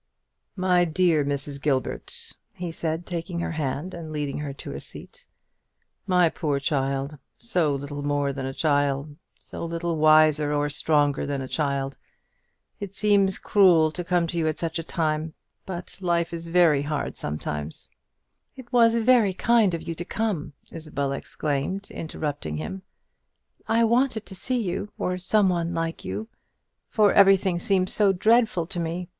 "My dear Mrs. Gilbert," he said, taking her hand, and leading her to a seat; "my poor child, so little more than a child, so little wiser or stronger than a child, it seems cruel to come to you at such a time; but life is very hard sometimes " "It was very kind of you to come," Isabel exclaimed, interrupting him. "I wanted to see you, or some one like you; for everything seems so dreadful to me.